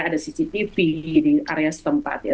ada cctv di area setempat ya